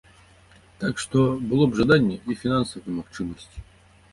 Так што, было б жаданне і фінансавыя магчымасці.